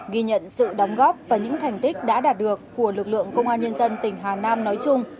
ghi nhận sự đóng góp và những thành tích đã đạt được của lực lượng công an nhân dân tỉnh hà nam nói chung